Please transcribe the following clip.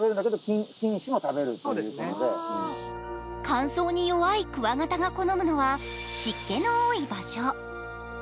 乾燥に弱いクワガタが好むのは湿気の多い場所。